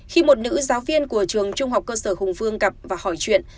khi một nữ giáo viên của trường trung học cơ sở hùng vương gặp và hỏi chuyện